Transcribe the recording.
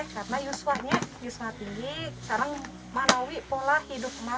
karena usuannya tinggi sekarang mak nawi pola hidup mak